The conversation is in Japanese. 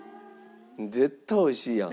絶対おいしいやん。